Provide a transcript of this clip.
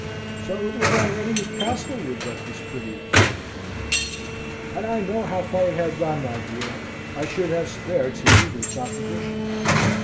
So it was already at Castlewood that this pretty affair was arranged? Had I known how far it had gone, my dear, I should have spared some needless opposition.